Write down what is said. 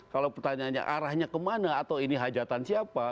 kalau pertanyaannya arahnya kemana atau ini hajatan siapa